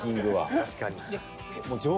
確かに。